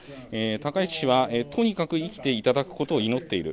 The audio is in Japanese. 高市氏はとにかく生きていただくことを祈っている。